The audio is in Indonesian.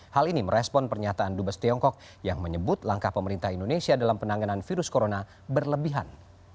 hal ini merespon pernyataan dubes tiongkok yang menyebut langkah pemerintah indonesia dalam penanganan virus corona berlebihan